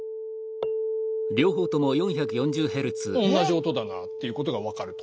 同じ音だなっていうことが分かると。